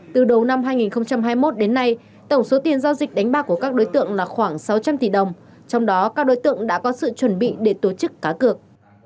từ đầu năm hai nghìn hai mươi một đến nay tổng số tiền giao dịch đánh bạc của các đối tượng là khoảng sáu trăm linh tỷ đồng trong đó các đối tượng đã có sự chuẩn bị để tổ chức cá cược